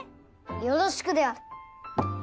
よろしくである。